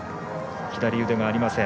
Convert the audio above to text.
左腕がありません。